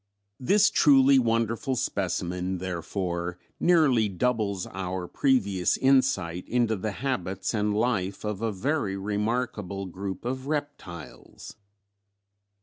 "This truly wonderful specimen, therefore, nearly doubles our previous insight into the habits and life of a very remarkable group of reptiles."